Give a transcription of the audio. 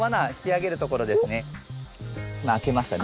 今開けましたね。